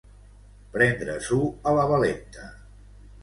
Prendre-s'ho a la valenta.